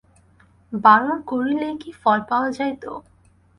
বারণ করিলেই কি ফল পাওয়া যাইত।